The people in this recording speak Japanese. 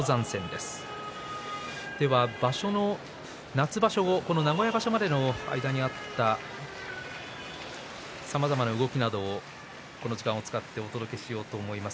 夏場所後、名古屋場所までの間にあったさまざまな動きなどをこの時間を使ってお届けします。